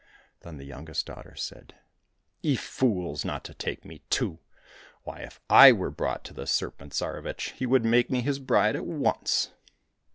— Then the youngest daughter said, " Ye fools, not to take me too ! Why, if I were brought to the Serpent Tsarevich, he would make me his bride at once."